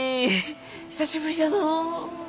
久しぶりじゃのう。